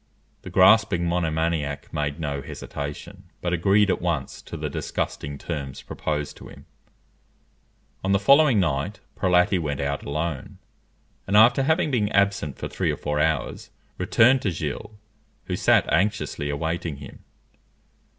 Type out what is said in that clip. The grasping monomaniac made no hesitation, but agreed at once to the disgusting terms proposed to him. On the following night, Prelati went out alone, and after having been absent for three or four hours, returned to Gilles, who sat anxiously awaiting him.